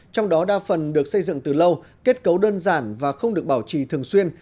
trong đó đa phần được xây dựng từ lâu kết cấu đơn giản và không được bảo trì thường xuyên